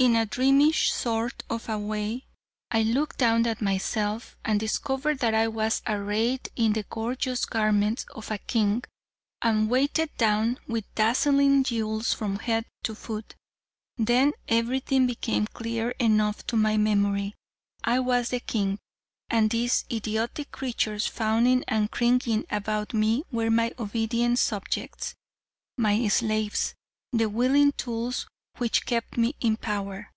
In a dreamy sort of a way, I looked down at myself and discovered that I was arrayed in the gorgeous garments of a king, and weighted down with dazzling jewels from head to foot. Then everything became clear enough to my memory; I was the king, and these idiotic creatures fawning and cringing about me were my obedient subjects; my slaves; the willing tools which kept me in power.